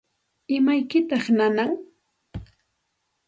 ¿Imaykitaq nanan?